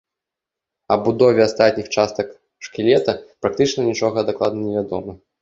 Аб будове астатніх частак шкілета практычна нічога дакладна невядома.